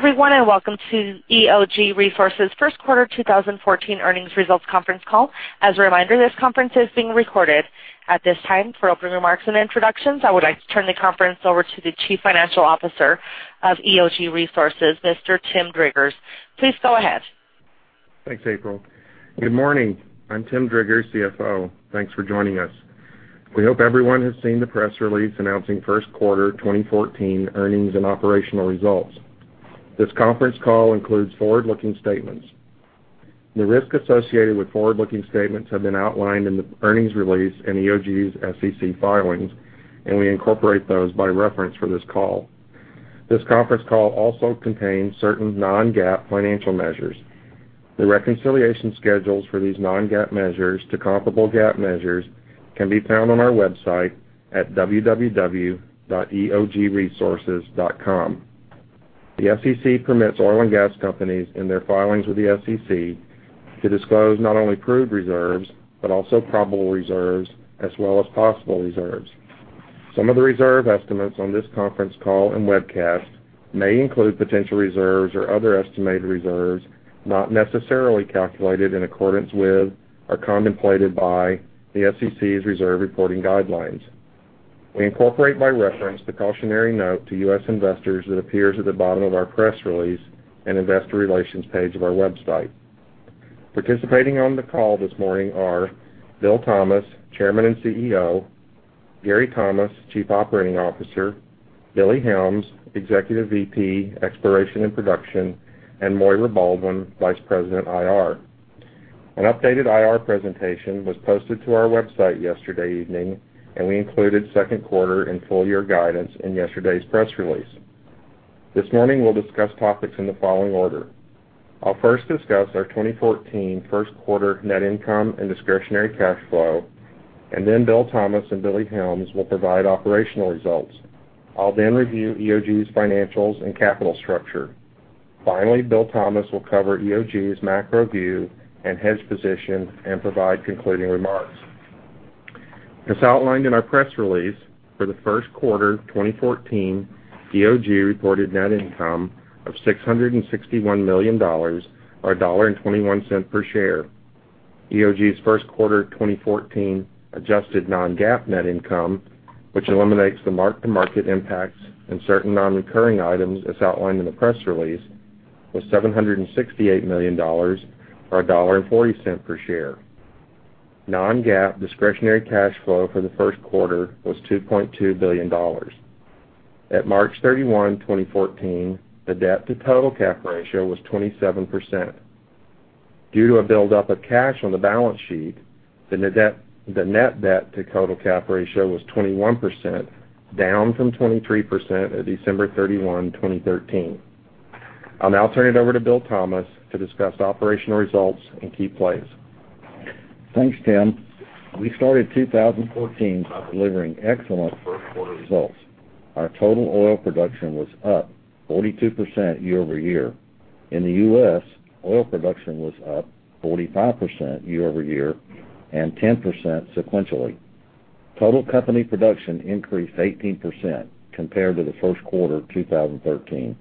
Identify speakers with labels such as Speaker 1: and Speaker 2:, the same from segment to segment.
Speaker 1: Hey everyone, welcome to EOG Resources' first quarter 2014 earnings results conference call. As a reminder, this conference is being recorded. At this time, for opening remarks and introductions, I would like to turn the conference over to the Chief Financial Officer of EOG Resources, Mr. Tim Driggers. Please go ahead.
Speaker 2: Thanks, April. Good morning. I'm Tim Driggers, CFO. Thanks for joining us. We hope everyone has seen the press release announcing first quarter 2014 earnings and operational results. This conference call includes forward-looking statements. The risks associated with forward-looking statements have been outlined in the earnings release in EOG's SEC filings. We incorporate those by reference for this call. This conference call also contains certain non-GAAP financial measures. The reconciliation schedules for these non-GAAP measures to comparable GAAP measures can be found on our website at www.eogresources.com. The SEC permits oil and gas companies, in their filings with the SEC, to disclose not only proved reserves, but also probable reserves, as well as possible reserves. Some of the reserve estimates on this conference call and webcast may include potential reserves or other estimated reserves not necessarily calculated in accordance with or contemplated by the SEC's reserve reporting guidelines. We incorporate by reference the cautionary note to U.S. investors that appears at the bottom of our press release and investor relations page of our website. Participating on the call this morning are Bill Thomas, Chairman and CEO, Gary Thomas, Chief Operating Officer, Billy Helms, Executive VP, Exploration and Production, and Moira Baldwin, Vice President, IR. An updated IR presentation was posted to our website yesterday evening. We included second quarter and full year guidance in yesterday's press release. This morning, we'll discuss topics in the following order. I'll first discuss our 2014 first quarter net income and discretionary cash flow. Then Bill Thomas and Billy Helms will provide operational results. I'll then review EOG's financials and capital structure. Finally, Bill Thomas will cover EOG's macro view and hedge position and provide concluding remarks. As outlined in our press release, for the first quarter 2014, EOG reported net income of $661 million, or $1.21 per share. EOG's first quarter 2014 adjusted non-GAAP net income, which eliminates the mark-to-market impacts and certain non-recurring items as outlined in the press release, was $768 million, or $1.40 per share. Non-GAAP discretionary cash flow for the first quarter was $2.2 billion. At March 31, 2014, the debt to total cap ratio was 27%. Due to a build-up of cash on the balance sheet, the net debt to total cap ratio was 21%, down from 23% at December 31, 2013. I'll now turn it over to Bill Thomas to discuss operational results and key plays.
Speaker 3: Thanks, Tim. We started 2014 by delivering excellent first quarter results. Our total oil production was up 42% year-over-year. In the U.S., oil production was up 45% year-over-year and 10% sequentially. Total company production increased 18% compared to the first quarter 2013.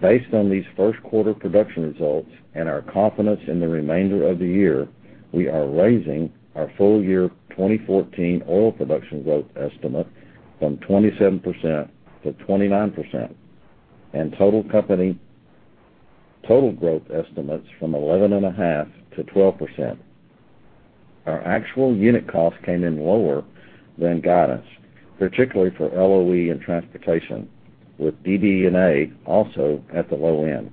Speaker 3: Based on these first quarter production results and our confidence in the remainder of the year, we are raising our full year 2014 oil production growth estimate from 27%-29% and total growth estimates from 11.5%-12%. Our actual unit cost came in lower than guidance, particularly for LOE and transportation, with DD&A also at the low end.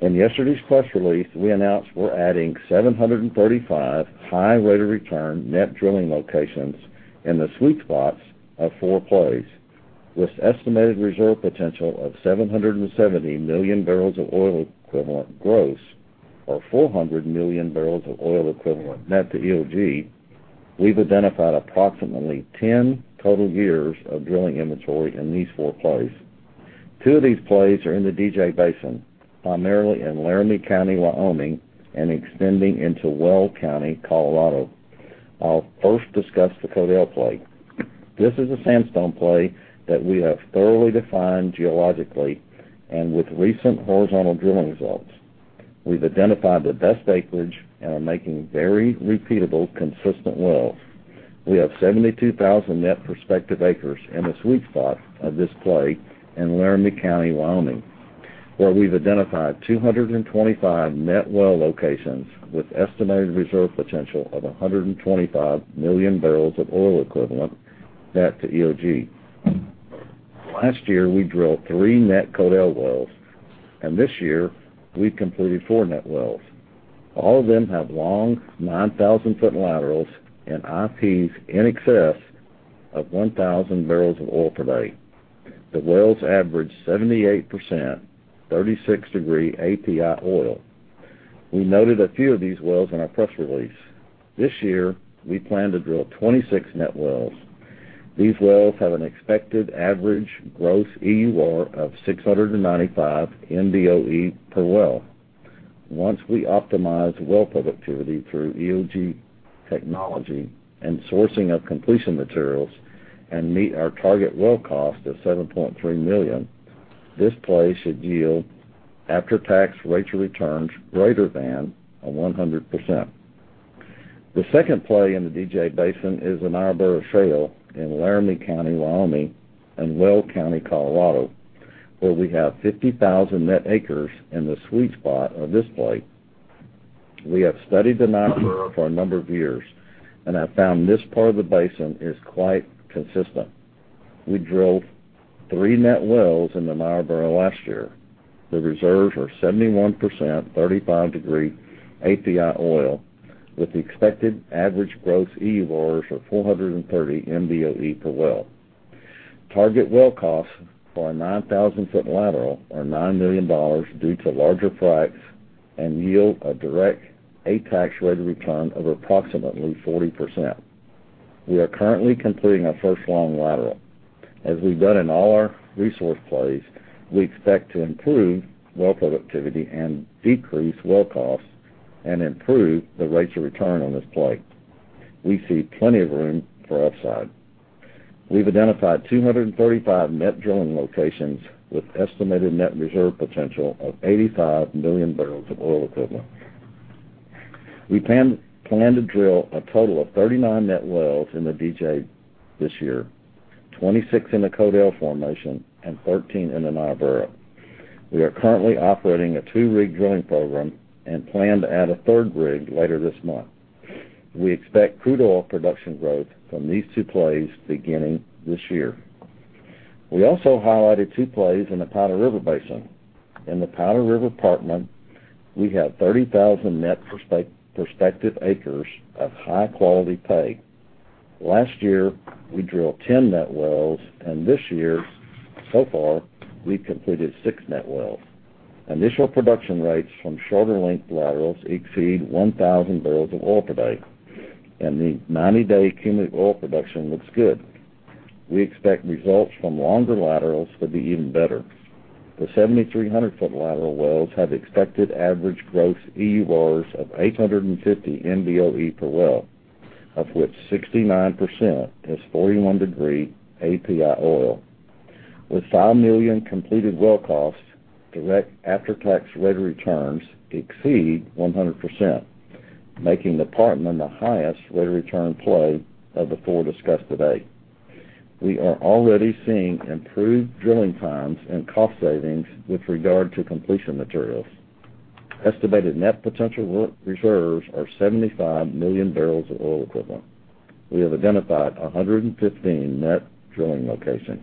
Speaker 3: In yesterday's press release, we announced we're adding 735 high rate of return net drilling locations in the sweet spots of four plays, with estimated reserve potential of 770 million barrels of oil equivalent gross or 400 million barrels of oil equivalent net to EOG. We've identified approximately 10 total years of drilling inventory in these four plays. Two of these plays are in the DJ Basin, primarily in Laramie County, Wyoming, and extending into Weld County, Colorado. I'll first discuss the Codell play. This is a sandstone play that we have thoroughly defined geologically and with recent horizontal drilling results. We've identified the best acreage and are making very repeatable, consistent wells. We have 72,000 net prospective acres in the sweet spot of this play in Laramie County, Wyoming, where we've identified 225 net well locations with estimated reserve potential of 125 million barrels of oil equivalent net to EOG. Last year, we drilled three net Codell wells, and this year, we completed four net wells. All of them have long 9,000-foot laterals and IPs in excess of 1,000 barrels of oil per day. The wells average 78% 36-degree API oil. We noted a few of these wells in our press release. This year, we plan to drill 26 net wells. These wells have an expected average gross EUR of 695 MBOE per well. Once we optimize well productivity through EOG technology and sourcing of completion materials and meet our target well cost of $7.3 million, this play should yield after-tax rates of returns greater than 100%. The second play in the DJ Basin is the Niobrara Shale in Laramie County, Wyoming, and Weld County, Colorado, where we have 50,000 net acres in the sweet spot of this play. We have studied the Niobrara for a number of years and have found this part of the basin is quite consistent. We drilled three net wells in the Niobrara last year. The reserves are 71% 35-degree API oil with expected average gross EURs of 430 MBOE per well. Target well costs for a 9,000-foot lateral are $9 million due to larger fracs and yield a direct after-tax rate of return of approximately 40%. We are currently completing our first long lateral. As we've done in all our resource plays, we expect to improve well productivity and decrease well costs and improve the rates of return on this play. We see plenty of room for upside. We've identified 235 net drilling locations with an estimated net reserve potential of 85 million barrels of oil equivalent. We plan to drill a total of 39 net wells in the DJ this year, 26 in the Codell formation, and 13 in the Niobrara. We are currently operating a two-rig drilling program and plan to add a third rig later this month. We expect crude oil production growth from these two plays beginning this year. We also highlighted two plays in the Powder River Basin. In the Powder River Parkman, we have 30,000 net prospective acres of high-quality pay. Last year, we drilled 10 net wells, and this year, so far, we've completed six net wells. Initial production rates from shorter length laterals exceed 1,000 barrels of oil per day, and the 90-day cumulative oil production looks good. We expect results from longer laterals to be even better. The 7,300-foot lateral wells have expected average gross EURs of 850 MBOE per well, of which 69% is 41-degree API oil. With $5 million completed well costs, direct after-tax rate of returns exceed 100%, making the Parkman the highest rate of return play of the four discussed today. We are already seeing improved drilling times and cost savings with regard to completion materials. Estimated net potential reserves are 75 million barrels of oil equivalent. We have identified 115 net drilling locations.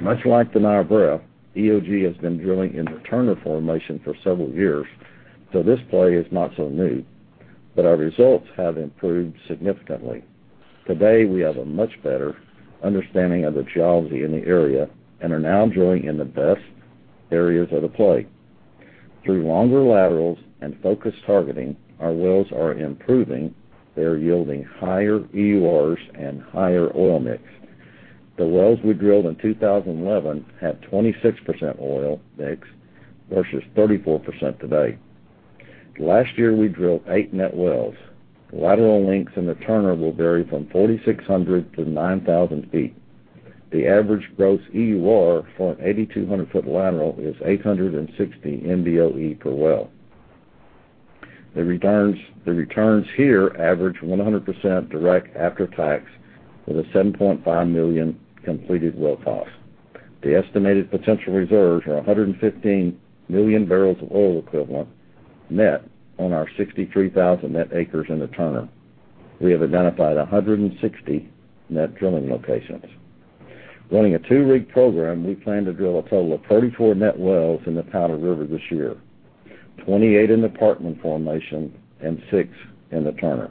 Speaker 3: Much like the Niobrara, EOG has been drilling in the Turner formation for several years, so this play is not so new, but our results have improved significantly. Today, we have a much better understanding of the geology in the area and are now drilling in the best areas of the play. Through longer laterals and focused targeting, our wells are improving. They are yielding higher EURs and higher oil mix. The wells we drilled in 2011 had 26% oil mix versus 34% today. Last year, we drilled eight net wells. Lateral lengths in the Turner will vary from 4,600 to 9,000 feet. The average gross EUR for an 8,200-foot lateral is 860 MBOE per well. The returns here average 100% direct after-tax, with a $7.5 million completed well cost. The estimated potential reserves are 115 million barrels of oil equivalent net on our 63,000 net acres in the Turner. We have identified 160 net drilling locations. Running a two-rig program, we plan to drill a total of 34 net wells in the Powder River this year, 28 in the Parkman formation and six in the Turner.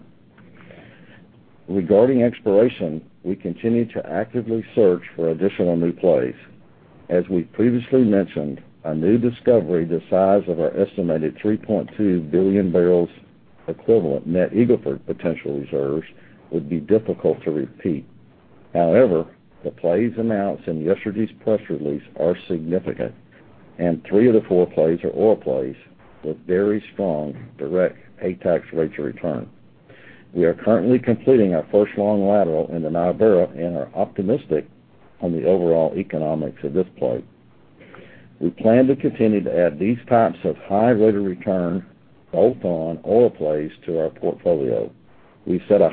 Speaker 3: Regarding exploration, we continue to actively search for additional new plays. As we previously mentioned, a new discovery the size of our estimated 3.2 billion barrels equivalent net Eagle Ford potential reserves would be difficult to repeat. However, the plays announced in yesterday's press release are significant, and three of the four plays are oil plays with very strong direct after-tax rates of return. We are currently completing our first long lateral in the Niobrara and are optimistic on the overall economics of this play. We plan to continue to add these types of high rate of return both on oil plays to our portfolio. We set a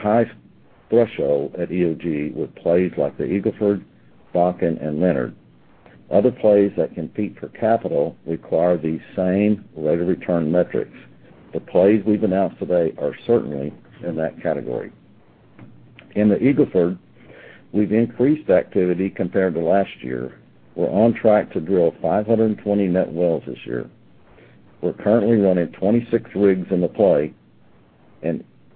Speaker 3: high threshold at EOG with plays like the Eagle Ford, Bakken, and Leonard. Other plays that compete for capital require the same rate of return metrics. The plays we've announced today are certainly in that category. In the Eagle Ford, we've increased activity compared to last year. We're on track to drill 520 net wells this year. We're currently running 26 rigs in the play.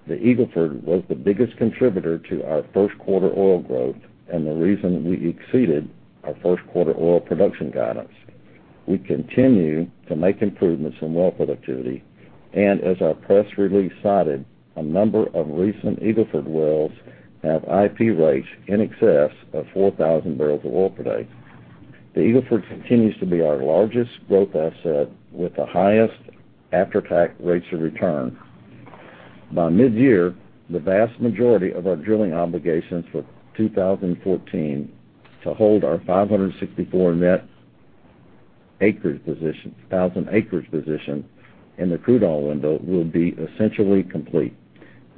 Speaker 3: The Eagle Ford was the biggest contributor to our first-quarter oil growth and the reason we exceeded our first-quarter oil production guidance. We continue to make improvements in well productivity. As our press release cited, a number of recent Eagle Ford wells have IP rates in excess of 4,000 barrels of oil per day. The Eagle Ford continues to be our largest growth asset with the highest after-tax rates of return. By midyear, the vast majority of our drilling obligations for 2014 to hold our 564 net thousand acres position in the crude oil window will be essentially complete,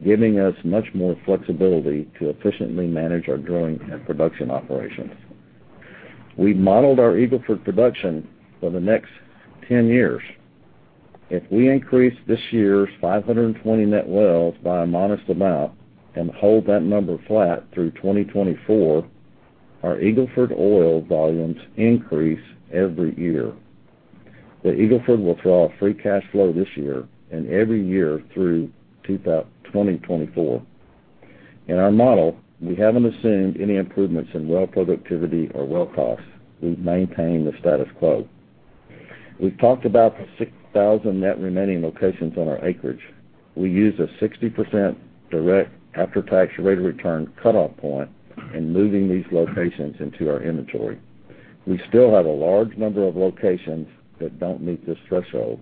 Speaker 3: giving us much more flexibility to efficiently manage our drilling and production operations. We've modeled our Eagle Ford production for the next 10 years. If we increase this year's 520 net wells by a modest amount and hold that number flat through 2024, our Eagle Ford oil volumes increase every year. The Eagle Ford will throw off free cash flow this year and every year through 2024. In our model, we haven't assumed any improvements in well productivity or well costs. We've maintained the status quo. We've talked about the 6,000 net remaining locations on our acreage. We use a 60% direct after-tax rate of return cutoff point in moving these locations into our inventory. We still have a large number of locations that don't meet this threshold.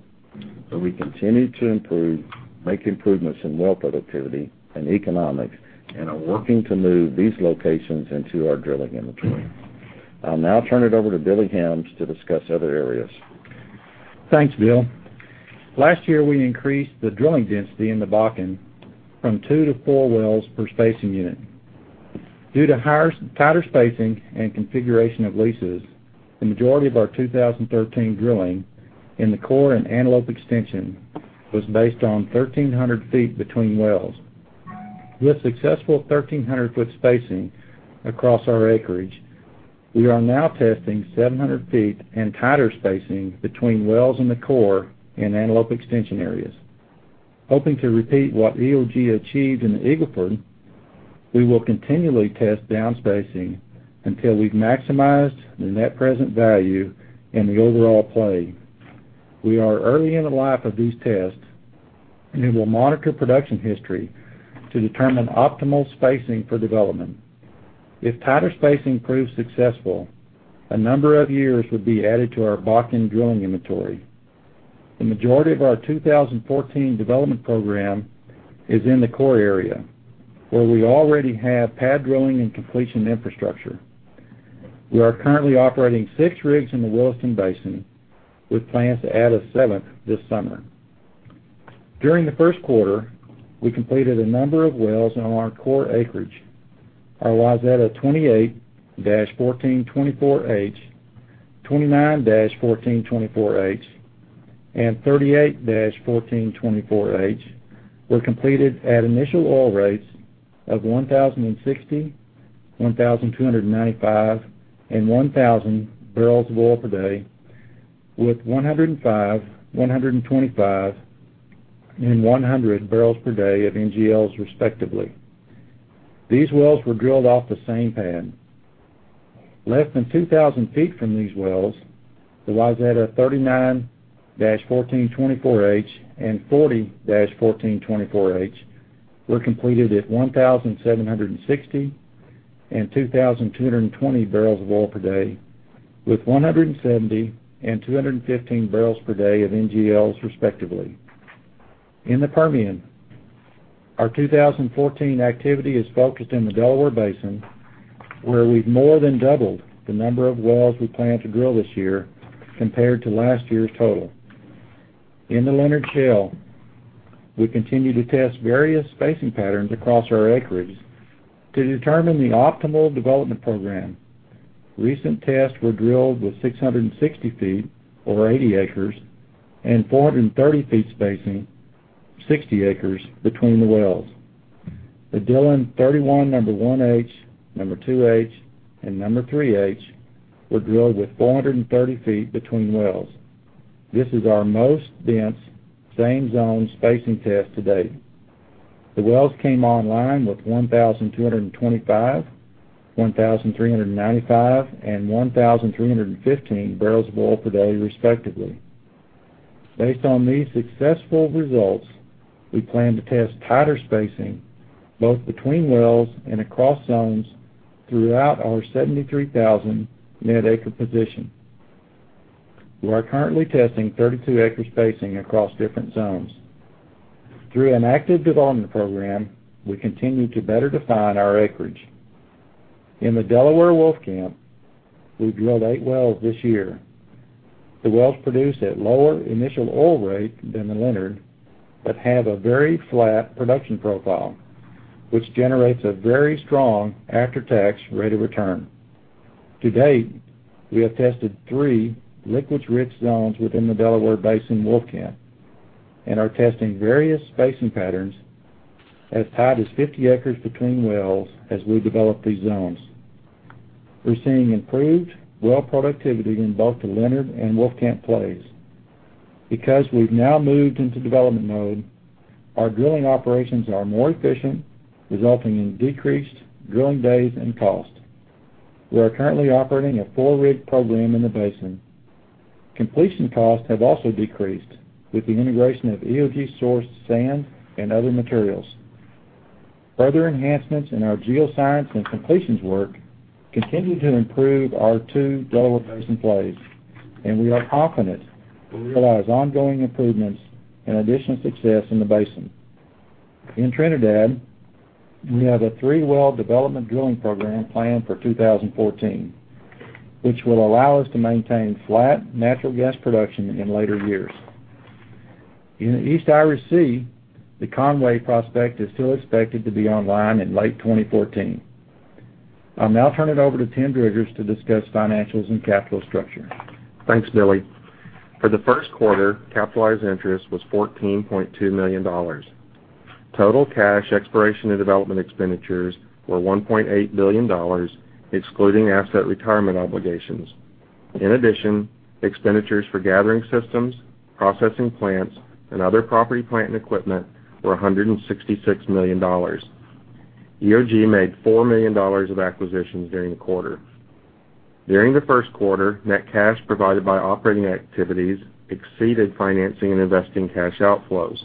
Speaker 3: We continue to make improvements in well productivity and economics and are working to move these locations into our drilling inventory. I'll now turn it over to Billy Helms to discuss other areas.
Speaker 4: Thanks, Bill. Last year, we increased the drilling density in the Bakken from two to four wells per spacing unit. Due to tighter spacing and configuration of leases, the majority of our 2013 drilling in the Core and Antelope extension was based on 1,300 feet between wells. With successful 1,300-foot spacing across our acreage, we are now testing 700 feet and tighter spacing between wells in the Core and Antelope extension areas. Hoping to repeat what EOG achieved in the Eagle Ford, we will continually test down spacing until we've maximized the net present value in the overall play. We are early in the life of these tests. We will monitor production history to determine optimal spacing for development. If tighter spacing proves successful, a number of years would be added to our Bakken drilling inventory. The majority of our 2014 development program is in the Core area, where we already have pad drilling and completion infrastructure. We are currently operating six rigs in the Williston Basin, with plans to add a seventh this summer. During the first quarter, we completed a number of wells on our Core acreage. Our Wayzetta 28-1424H, 29-1424H, and 38-1424H were completed at initial oil rates of 1,060, 1,295, and 1,000 barrels of oil per day, with 105, 125, and 100 barrels per day of NGLs, respectively. These wells were drilled off the same pad. Less than 2,000 feet from these wells, the Wayzetta 39-1424H and 40-1424H were completed at 1,760 and 2,220 barrels of oil per day with 170 and 215 barrels per day of NGLs, respectively. In the Permian, our 2014 activity is focused in the Delaware Basin, where we've more than doubled the number of wells we plan to drill this year compared to last year's total. In the Leonard Shale, we continue to test various spacing patterns across our acreage to determine the optimal development program. Recent tests were drilled with 660 feet or 80 acres and 430 feet spacing, 60 acres between the wells. The Dillon 31#1H, #2H, and #3H were drilled with 430 feet between wells. This is our most dense same-zone spacing test to date. The wells came online with 1,225, 1,395, and 1,315 barrels of oil per day, respectively. Based on these successful results, we plan to test tighter spacing, both between wells and across zones throughout our 73,000 net acre position. We are currently testing 32-acre spacing across different zones. Through an active development program, we continue to better define our acreage. In the Delaware Wolfcamp, we've drilled eight wells this year. The wells produce at lower initial oil rate than the Leonard but have a very flat production profile, which generates a very strong after-tax rate of return. To date, we have tested three liquids-rich zones within the Delaware Basin Wolfcamp and are testing various spacing patterns as tight as 50 acres between wells as we develop these zones. We're seeing improved well productivity in both the Leonard and Wolfcamp plays. Because we've now moved into development mode, our drilling operations are more efficient, resulting in decreased drilling days and cost. We are currently operating a four-rig program in the basin. Completion costs have also decreased with the integration of EOG-sourced sand and other materials. Further enhancements in our geoscience and completions work continue to improve our two Delaware Basin plays. We are confident we'll realize ongoing improvements and additional success in the basin. In Trinidad, we have a three-well development drilling program planned for 2014, which will allow us to maintain flat natural gas production in later years. In the East Irish Sea, the Conway prospect is still expected to be online in late 2014. I'll now turn it over to Tim Driggers to discuss financials and capital structure.
Speaker 2: Thanks, Billy. For the first quarter, capitalized interest was $14.2 million. Total cash exploration and development expenditures were $1.8 billion, excluding asset retirement obligations. In addition, expenditures for gathering systems, processing plants, and other property, plant, and equipment were $166 million. EOG made $4 million of acquisitions during the quarter. During the first quarter, net cash provided by operating activities exceeded financing and investing cash outflows.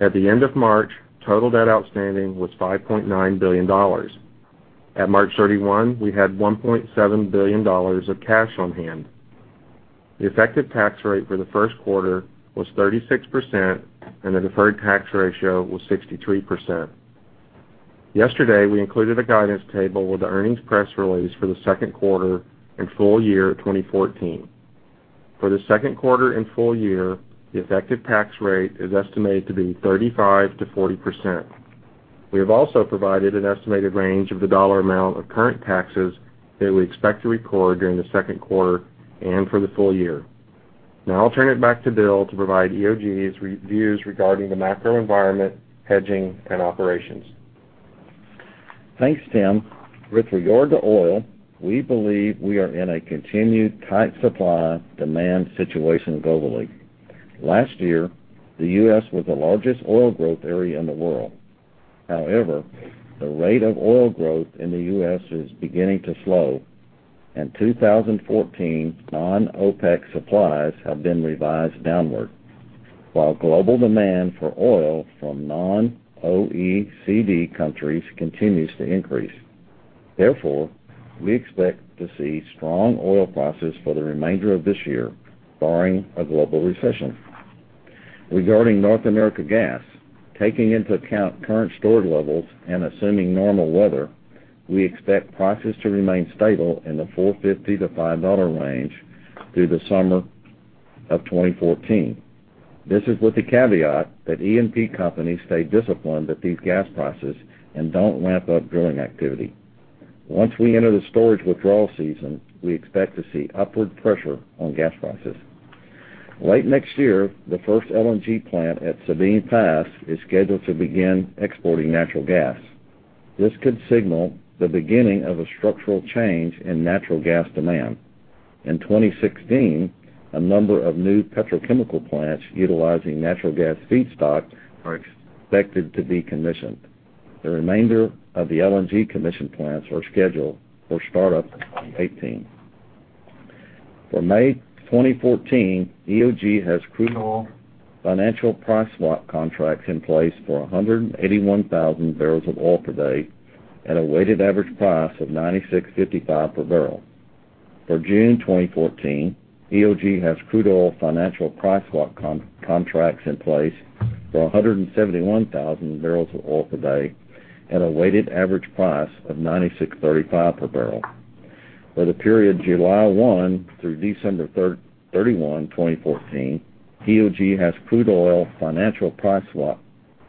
Speaker 2: At the end of March, total debt outstanding was $5.9 billion. At March 31, we had $1.7 billion of cash on hand. The effective tax rate for the first quarter was 36%, and the deferred tax ratio was 63%. Yesterday, we included a guidance table with the earnings press release for the second quarter and full year 2014. For the second quarter and full year, the effective tax rate is estimated to be 35%-40%. We have also provided an estimated range of the dollar amount of current taxes that we expect to record during the second quarter and for the full year. Now I'll turn it back to Bill to provide EOG's views regarding the macro environment, hedging, and operations.
Speaker 3: Thanks, Tim. With regard to oil, we believe we are in a continued tight supply-demand situation globally. Last year, the U.S. was the largest oil growth area in the world. The rate of oil growth in the U.S. is beginning to slow, and 2014 non-OPEC supplies have been revised downward, while global demand for oil from non-OECD countries continues to increase. We expect to see strong oil prices for the remainder of this year, barring a global recession. Regarding North America gas, taking into account current storage levels and assuming normal weather, we expect prices to remain stable in the $4.50-$5 range through the summer of 2014. This is with the caveat that E&P companies stay disciplined at these gas prices and don't ramp up drilling activity. Once we enter the storage withdrawal season, we expect to see upward pressure on gas prices. Late next year, the first LNG plant at Sabine Pass is scheduled to begin exporting natural gas. This could signal the beginning of a structural change in natural gas demand. In 2016, a number of new petrochemical plants utilizing natural gas feedstock are expected to be commissioned. The remainder of the LNG commission plants are scheduled for startup in 2018. For May 2014, EOG has crude oil financial price swap contracts in place for 181,000 barrels of oil per day at a weighted average price of $96.55 per barrel. For June 2014, EOG has crude oil financial price swap contracts in place for 171,000 barrels of oil per day at a weighted average price of $96.35 per barrel. For the period July 1 through December 31, 2014, EOG has crude oil financial price swap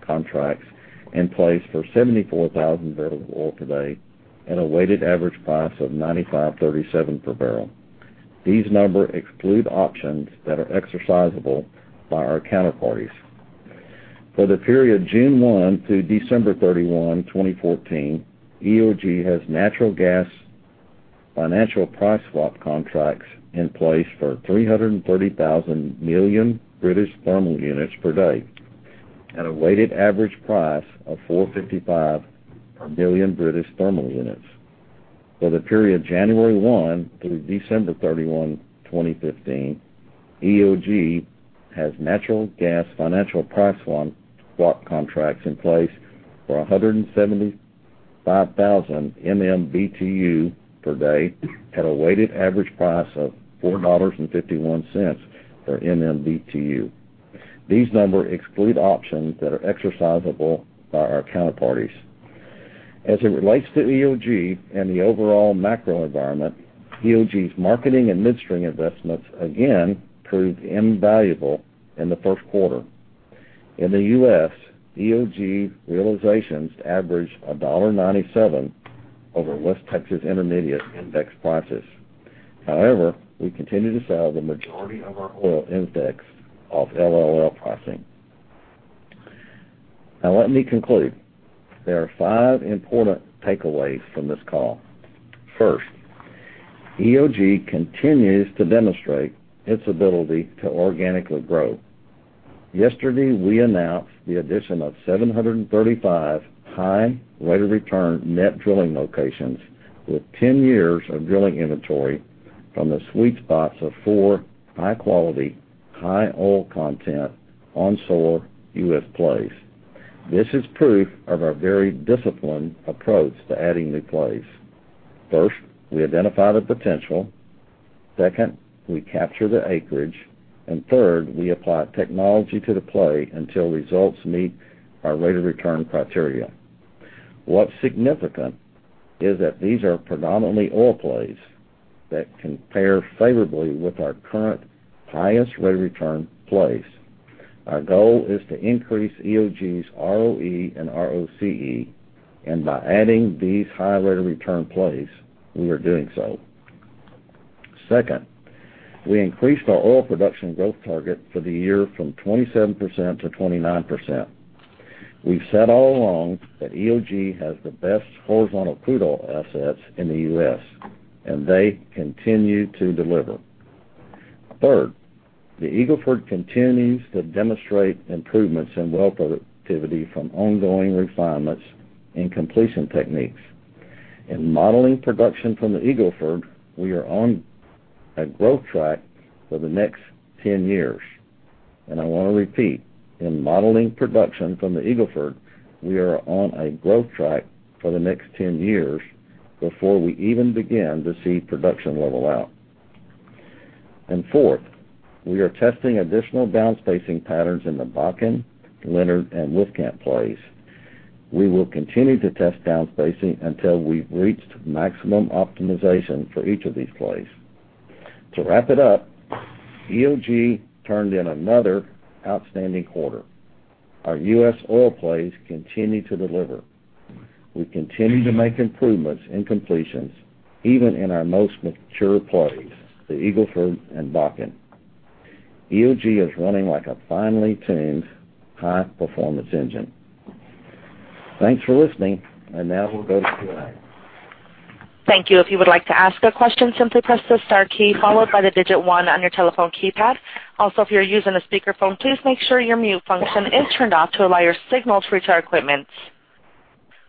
Speaker 3: contracts in place for 74,000 barrels of oil per day at a weighted average price of $95.37 per barrel. These numbers exclude options that are exercisable by our counterparties. For the period June 1 to December 31, 2014, EOG has natural gas financial price swap contracts in place for 330,000 million British thermal units per day at a weighted average price of $4.55 per million British thermal units. For the period January 1 through December 31, 2015, EOG has natural gas financial price swap contracts in place for 175,000 MMBtu per day at a weighted average price of $4.51 per MMBtu. These numbers exclude options that are exercisable by our counterparties. As it relates to EOG and the overall macro environment, EOG's marketing and midstream investments again proved invaluable in the first quarter. In the U.S., EOG realizations averaged $1.97 over West Texas Intermediate index prices. However, we continue to sell the majority of our oil index off LLS pricing. Let me conclude. There are five important takeaways from this call. First, EOG continues to demonstrate its ability to organically grow. Yesterday, we announced the addition of 735 high rate of return net drilling locations with 10 years of drilling inventory from the sweet spots of four high-quality, high oil content onshore U.S. plays. This is proof of our very disciplined approach to adding new plays. First, we identify the potential. Second, we capture the acreage. Third, we apply technology to the play until results meet our rate of return criteria. What's significant is that these are predominantly oil plays that compare favorably with our current highest rate of return plays. Our goal is to increase EOG's ROE and ROCE, and by adding these high rate of return plays, we are doing so. Second, we increased our oil production growth target for the year from 27% to 29%. We've said all along that EOG has the best horizontal crude oil assets in the U.S., and they continue to deliver. Third, the Eagle Ford continues to demonstrate improvements in well productivity from ongoing refinements and completion techniques. In modeling production from the Eagle Ford, we are on a growth track for the next 10 years. I want to repeat, in modeling production from the Eagle Ford, we are on a growth track for the next 10 years before we even begin to see production level out. Fourth, we are testing additional down spacing patterns in the Bakken, Leonard, and Wolfcamp plays. We will continue to test down spacing until we've reached maximum optimization for each of these plays. To wrap it up, EOG turned in another outstanding quarter. Our U.S. oil plays continue to deliver. We continue to make improvements in completions, even in our most mature plays, the Eagle Ford and Bakken. EOG is running like a finely tuned high-performance engine. Thanks for listening, and now we'll go to Q&A.
Speaker 1: Thank you. If you would like to ask a question, simply press the star key followed by the digit one on your telephone keypad. Also, if you're using a speakerphone, please make sure your mute function is turned off to allow your signal to reach our equipment.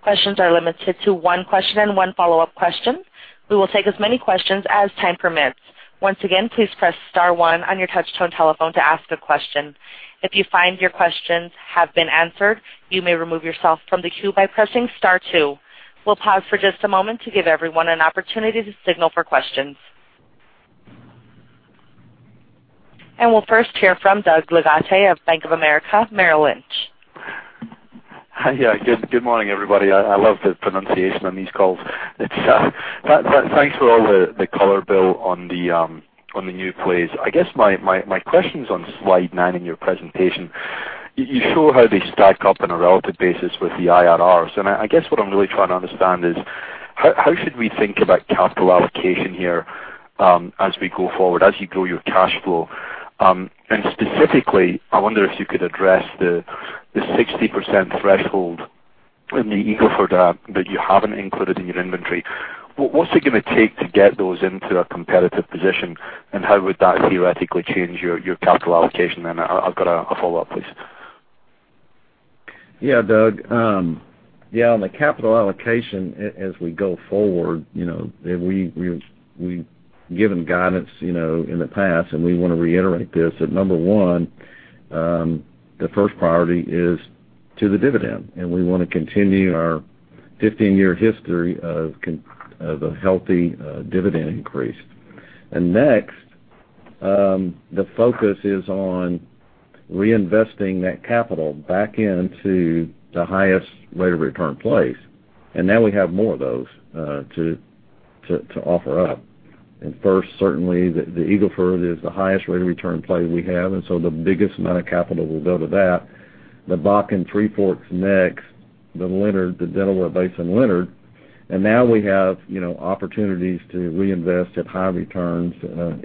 Speaker 1: Questions are limited to one question and one follow-up question. We will take as many questions as time permits. Once again, please press star one on your touch-tone telephone to ask a question. If you find your questions have been answered, you may remove yourself from the queue by pressing star two. We'll pause for just a moment to give everyone an opportunity to signal for questions. We'll first hear from Douglas Leggate of Bank of America, Merrill Lynch.
Speaker 5: Hi. Yeah, good morning, everybody. I love the pronunciation on these calls. Thanks for all the color, Bill, on the new plays. My question's on slide nine in your presentation. You show how they stack up on a relative basis with the IRRs. What I'm really trying to understand is, how should we think about capital allocation here as we go forward, as you grow your cash flow? Specifically, I wonder if you could address the 60% threshold in the Eagle Ford that you haven't included in your inventory. What's it going to take to get those into a competitive position, and how would that theoretically change your capital allocation? I've got a follow-up, please.
Speaker 3: Yeah, Doug. On the capital allocation as we go forward, we've given guidance in the past, and we want to reiterate this. Number one, the first priority is to the dividend, and we want to continue our 15-year history of a healthy dividend increase. Next, the focus is on reinvesting that capital back into the highest rate of return plays. Now we have more of those to offer up. First, certainly, the Eagle Ford is the highest rate of return play we have, and so the biggest amount of capital will go to that. The Bakken Three Forks next, the Delaware Basin Leonard, and now we have opportunities to reinvest at high returns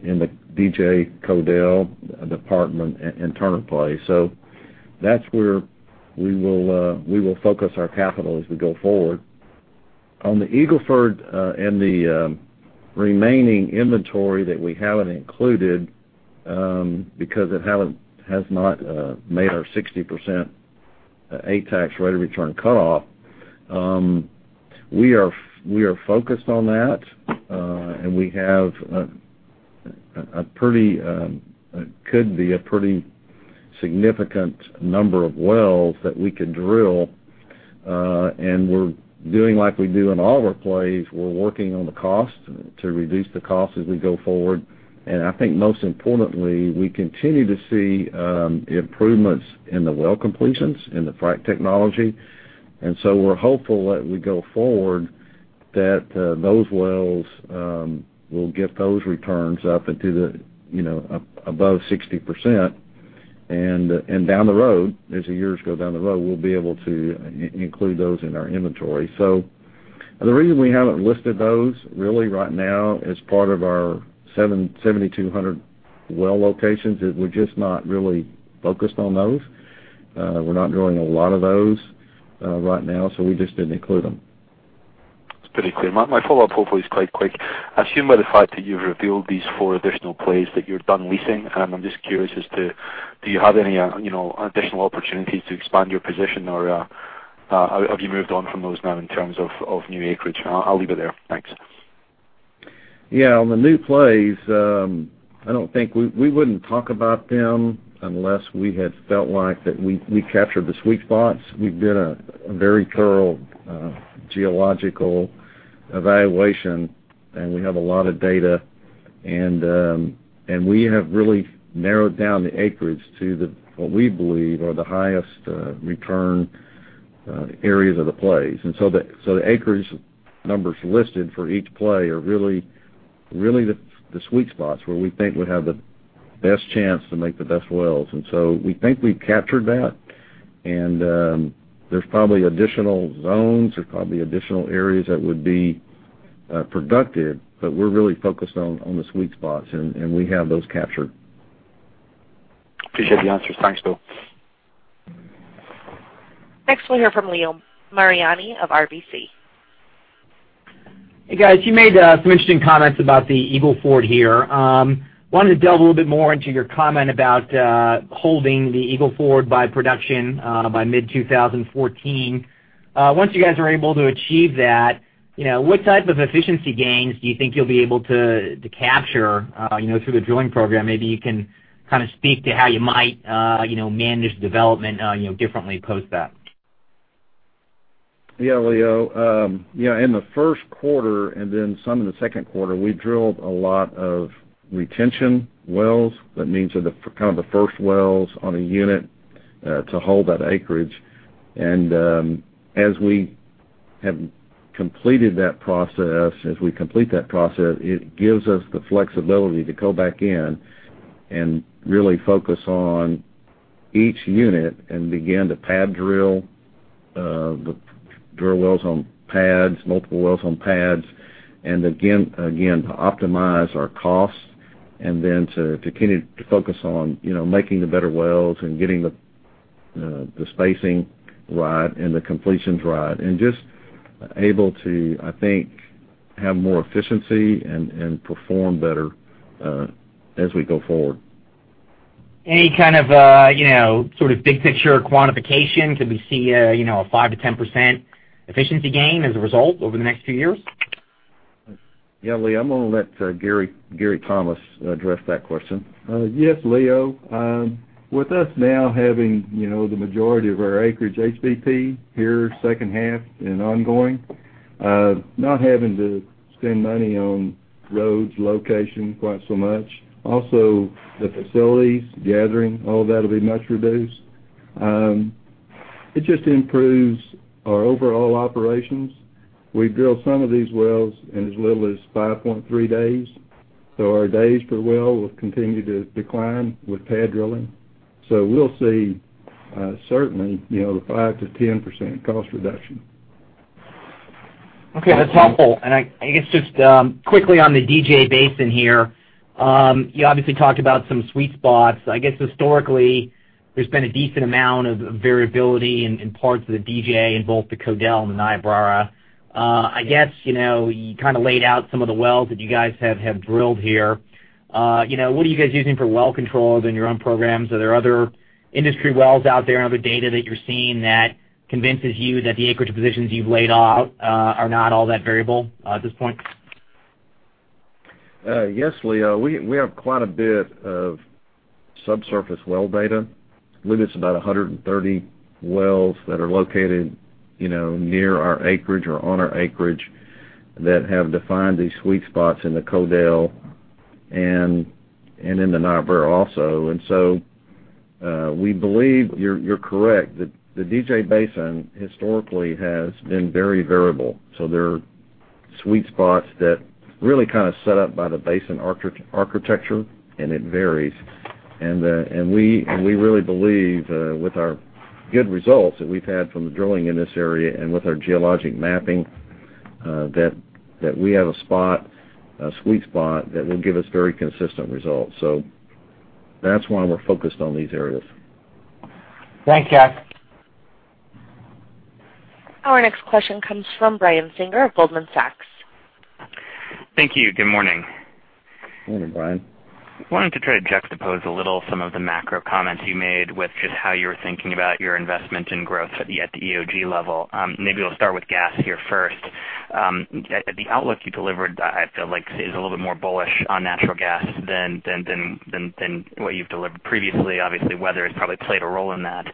Speaker 3: in the DJ Codell, the Parkman and Turner play. That's where we will focus our capital as we go forward. On the Eagle Ford and the remaining inventory that we haven't included, because it has not made our 60% after-tax rate of return cutoff, we are focused on that, and we have a pretty significant number of wells that we could drill. We're doing like we do in all of our plays. We're working on the cost to reduce the cost as we go forward. I think most importantly, we continue to see improvements in the well completions, in the frack technology. We're hopeful that we go forward that those wells will get those returns up above 60%. Down the road, as the years go down the road, we'll be able to include those in our inventory. The reason we haven't listed those right now as part of our 7,200 well locations is we're just not really focused on those. We're not drilling a lot of those right now, so we just didn't include them.
Speaker 5: It's pretty clear. My follow-up hopefully is quite quick. I assume by the fact that you've revealed these four additional plays that you're done leasing. I'm just curious as to, do you have any additional opportunities to expand your position, or have you moved on from those now in terms of new acreage? I'll leave it there. Thanks.
Speaker 3: Yeah. On the new plays, we wouldn't talk about them unless we had felt like that we captured the sweet spots. We've done a very thorough geological evaluation. We have a lot of data. We have really narrowed down the acreage to what we believe are the highest return areas of the plays. The acreage numbers listed for each play are really the sweet spots where we think we have the best chance to make the best wells. We think we've captured that. There's probably additional zones, there's probably additional areas that would be productive, but we're really focused on the sweet spots, and we have those captured.
Speaker 5: Appreciate the answers. Thanks, Bill.
Speaker 1: Next, we'll hear from Leo Mariani of RBC.
Speaker 6: Hey, guys. You made some interesting comments about the Eagle Ford here. Wanted to delve a little bit more into your comment about holding the Eagle Ford by production by mid 2014. Once you guys are able to achieve that, what type of efficiency gains do you think you'll be able to capture through the drilling program? Maybe you can speak to how you might manage the development differently post that.
Speaker 3: Yeah, Leo. In the first quarter and then some in the second quarter, we drilled a lot of retention wells. That means they're the first wells on a unit to hold that acreage. As we complete that process, it gives us the flexibility to go back in and really focus on each unit and begin to pad drill wells on pads, multiple wells on pads, again, to optimize our costs, to continue to focus on making the better wells and getting the spacing right and the completions right. Just able to, I think, have more efficiency and perform better as we go forward.
Speaker 6: Any kind of big picture quantification? Could we see a 5%-10% efficiency gain as a result over the next few years?
Speaker 3: Yeah, Leo, I'm going to let Gary Thomas address that question.
Speaker 7: Yes, Leo. With us now having the majority of our acreage HBP here second half and ongoing, not having to spend money on roads, location quite so much. Also, the facilities, gathering, all that will be much reduced. It just improves our overall operations. We drill some of these wells in as little as 5.3 days, so our days per well will continue to decline with pad drilling. We'll see certainly the 5%-10% cost reduction.
Speaker 6: Okay. That's helpful. I guess just quickly on the DJ Basin here. You obviously talked about some sweet spots. I guess historically, there's been a decent amount of variability in parts of the DJ in both the Codell and the Niobrara. I guess, you laid out some of the wells that you guys have drilled here. What are you guys using for well controls in your own programs? Are there other industry wells out there and other data that you're seeing that convinces you that the acreage positions you've laid out are not all that variable at this point?
Speaker 3: Yes, Leo. We have quite a bit of subsurface well data. I believe it's about 130 wells that are located near our acreage or on our acreage that have defined these sweet spots in the Codell and in the Niobrara also. We believe you're correct. The DJ Basin historically has been very variable. There are sweet spots that really set up by the basin architecture, and it varies. We really believe with our good results that we've had from the drilling in this area and with our geologic mapping that we have a spot, a sweet spot that will give us very consistent results. That's why we're focused on these areas.
Speaker 6: Thanks, guys.
Speaker 1: Our next question comes from Brian Singer of Goldman Sachs.
Speaker 8: Thank you. Good morning.
Speaker 3: Morning, Brian.
Speaker 8: I wanted to try to juxtapose a little some of the macro comments you made with just how you're thinking about your investment and growth at the EOG level. Maybe we'll start with gas here first. The outlook you delivered, I feel like is a little bit more bullish on natural gas than what you've delivered previously. Obviously, weather has probably played a role in that.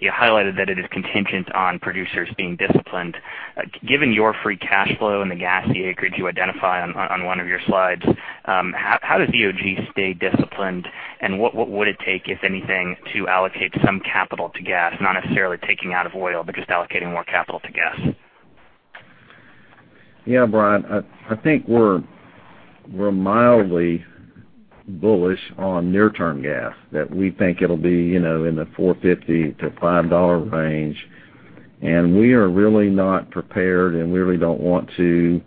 Speaker 8: You highlighted that it is contingent on producers being disciplined. Given your free cash flow and the gassy acreage you identify on one of your slides, how does EOG stay disciplined, and what would it take, if anything, to allocate some capital to gas? Not necessarily taking out of oil, but just allocating more capital to gas.
Speaker 3: Yeah, Brian. I think we're mildly bullish on near term gas, that we think it'll be in the $4.50 to $5 range. We are really not prepared and we really don't want to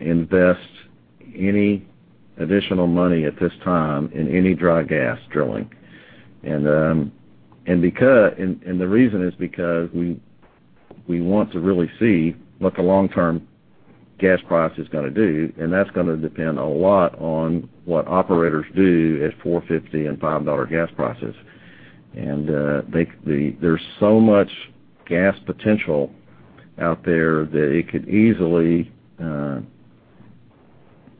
Speaker 3: invest any additional money at this time in any dry gas drilling. The reason is because we want to really see what the long-term gas price is going to do, and that's going to depend a lot on what operators do at $4.50 and $5 gas prices. There's so much gas potential out there that it could easily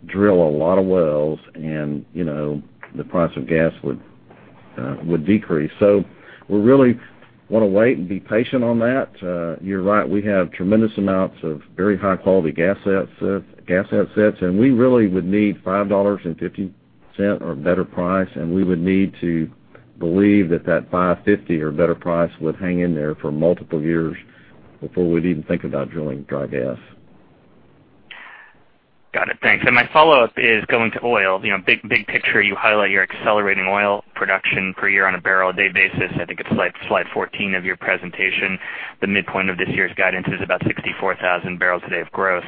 Speaker 3: drill a lot of wells and the price of gas would decrease. We really want to wait and be patient on that. You're right, we have tremendous amounts of very high-quality gas assets, and we really would need $5.50 or better price, and we would need to believe that that $5.50 or better price would hang in there for multiple years before we'd even think about drilling dry gas.
Speaker 8: Got it. Thanks. My follow-up is going to oil. Big picture, you highlight your accelerating oil production per year on a barrel a day basis. I think it's slide 14 of your presentation. The midpoint of this year's guidance is about 64,000 barrels a day of growth.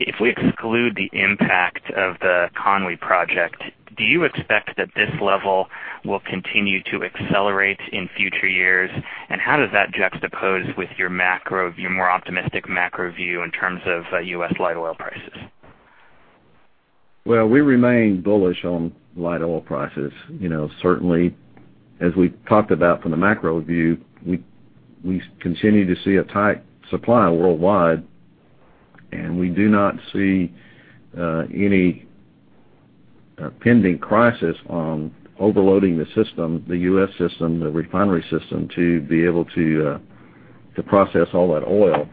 Speaker 8: If we exclude the impact of the Conway project, do you expect that this level will continue to accelerate in future years? How does that juxtapose with your more optimistic macro view in terms of U.S. light oil prices?
Speaker 3: Well, we remain bullish on light oil prices. Certainly, as we talked about from the macro view, we continue to see a tight supply worldwide, we do not see any pending crisis on overloading the system, the U.S. system, the refinery system, to be able to process all that oil.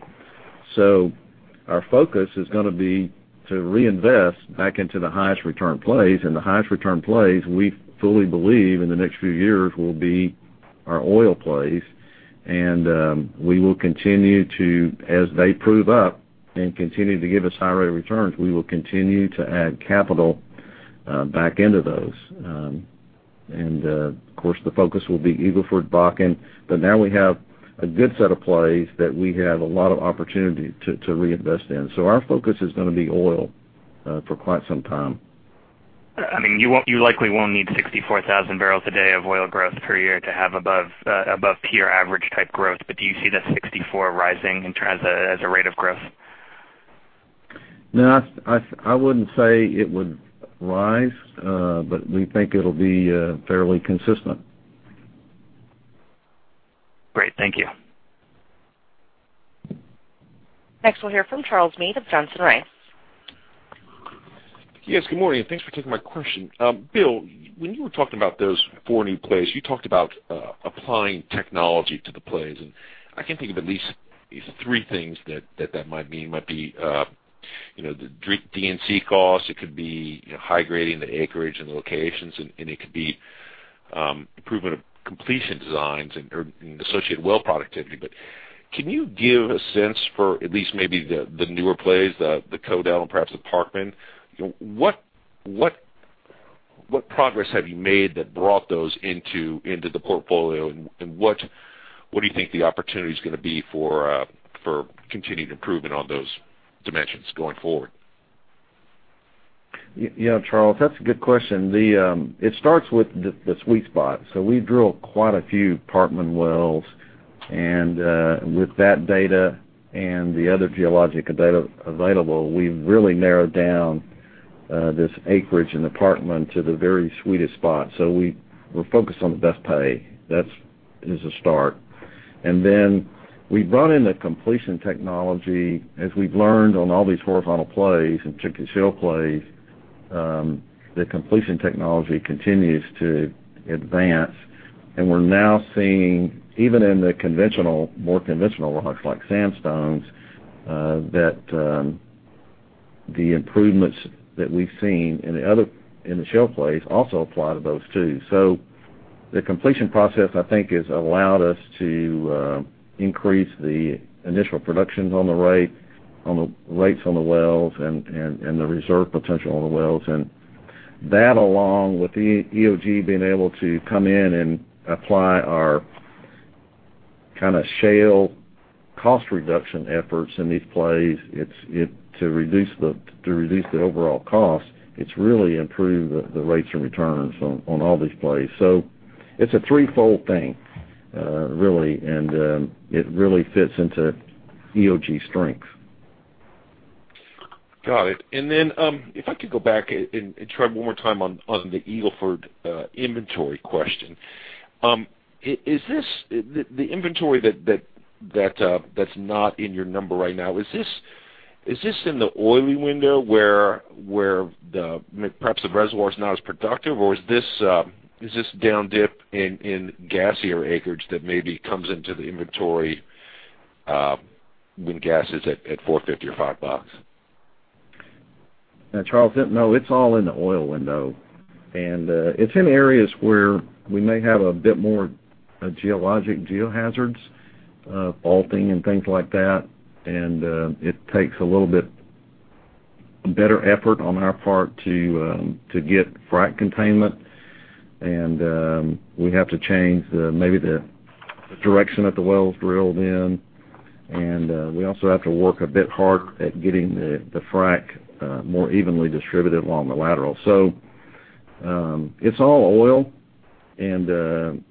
Speaker 3: Our focus is going to be to reinvest back into the highest return plays. The highest return plays, we fully believe in the next few years, will be our oil plays. We will continue to, as they prove up and continue to give us high rate of returns, we will continue to add capital back into those. Of course, the focus will be Eagle Ford, Bakken. Now we have a good set of plays that we have a lot of opportunity to reinvest in. Our focus is going to be oil for quite some time.
Speaker 8: You likely won't need 64,000 barrels a day of oil growth per year to have above tier average type growth. Do you see that 64 rising as a rate of growth?
Speaker 3: No, I wouldn't say it would rise. We think it'll be fairly consistent.
Speaker 8: Great. Thank you.
Speaker 1: Next, we'll hear from Charles Meade of Johnson Rice.
Speaker 9: Yes, good morning, thanks for taking my question. Bill, when you were talking about those four new plays, you talked about applying technology to the plays, and I can think of at least three things that that might mean. Might be the D&C cost, it could be high-grading the acreage and locations, and it could be improvement of completion designs and associated well productivity. Can you give a sense for at least maybe the newer plays, the Codell and perhaps the Parkman? What progress have you made that brought those into the portfolio, and what do you think the opportunity is going to be for continued improvement on those dimensions going forward?
Speaker 3: Charles, that's a good question. It starts with the sweet spot. We drill quite a few Parkman wells, with that data and the other geologic data available, we've really narrowed down this acreage in the Parkman to the very sweetest spot. We're focused on the best pay. That is a start. Then we brought in the completion technology. As we've learned on all these horizontal plays and shale plays, the completion technology continues to advance, and we're now seeing, even in the more conventional rocks, like sandstones, that the improvements that we've seen in the shale plays also apply to those, too. The completion process, I think, has allowed us to increase the initial productions on the rates on the wells and the reserve potential on the wells. That, along with EOG being able to come in and apply our kind of shale cost reduction efforts in these plays to reduce the overall cost, it's really improved the rates and returns on all these plays. It's a threefold thing, really. It really fits into EOG's strength.
Speaker 9: Got it. Then if I could go back and try one more time on the Eagle Ford inventory question. The inventory that's not in your number right now, is this in the oily window where perhaps the reservoir's not as productive, or is this down dip in gassier acreage that maybe comes into the inventory when gas is at $4.50 or $5?
Speaker 3: No, Charles. No, it's all in the oil window, and it's in areas where we may have a bit more geologic geo-hazards, faulting and things like that, and it takes a little bit better effort on our part to get frac containment. We have to change maybe the direction that the well's drilled in. We also have to work a bit hard at getting the frack more evenly distributed along the lateral. It's all oil and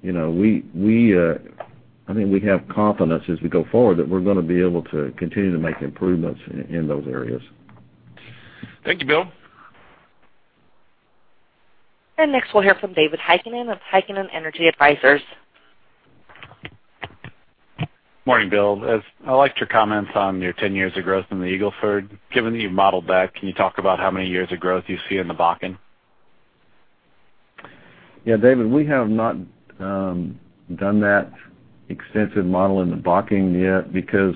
Speaker 3: I think we have confidence as we go forward that we're going to be able to continue to make improvements in those areas.
Speaker 9: Thank you, Bill.
Speaker 1: Next we'll hear from David Heikkinen of Heikkinen Energy Advisors.
Speaker 10: Morning, Bill. I liked your comments on your 10 years of growth in the Eagle Ford. Given that you've modeled that, can you talk about how many years of growth you see in the Bakken?
Speaker 3: Yeah, David, we have not done that extensive model in the Bakken yet because